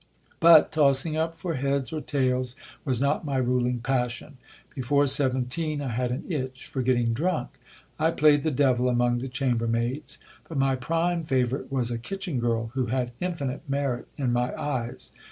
But tossing up for heads or tails was not my ruling passion. Before seventeen I had an itch for getting drank. I played the devil among the chamber maids ; but my prime favourite was a kitchen girl, who had infinite merit in my eyes.